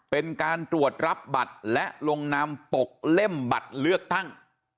เป็นการตรวจรับบัตรและลงนามปกเล่มบัตรเลือกตั้ง